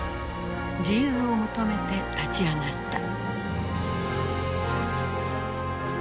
自由を求めて立ち上がった。